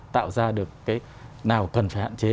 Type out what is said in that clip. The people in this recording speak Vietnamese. tạo ra được cái nào cần phải hạn chế